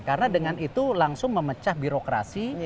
karena dengan itu langsung memecah birokrasi